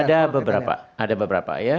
ada beberapa ada beberapa ya